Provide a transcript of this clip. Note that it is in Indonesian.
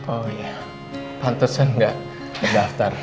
oh iya pantusan gak terdaftar